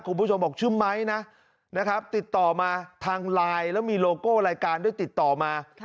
คุณผู้ชมบอกชื่อไม้นะนะครับติดต่อมาทางไลน์แล้วมีโลโก้รายการด้วยติดต่อมา